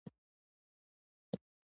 آیا د خامک ګنډل د کندهار هنر نه دی؟